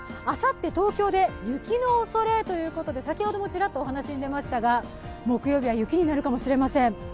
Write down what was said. あさって、東京で雪のおそれということで先ほどもちらっとお話に出ましたが、木曜日は雪になるかもしれません。